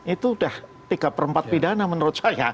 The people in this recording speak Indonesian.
itu sudah tiga per empat pidana menurut saya